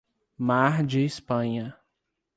Mar de Espanha